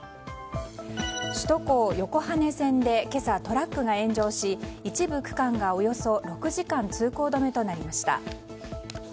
首都高横羽線で今朝トラックが炎上し一部区間が、およそ６時間通行止めとなりました。